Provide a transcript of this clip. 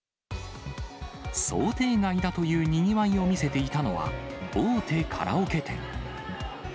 想定外だというにぎわいを見せていたのは、大手カラオケ店。